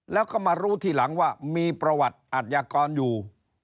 แล้วก็มารู้ทีหลังว่ามีประวัติอัธยากรอยู่